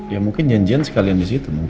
ya mungkin janjian sekalian disitu